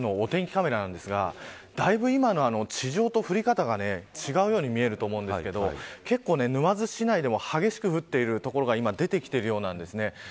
これが今、沼津のお天気カメラですがだいぶ今の地上と降り方が違うように見えるんですけど沼津市内でも激しく降っている所が出てきている状況です。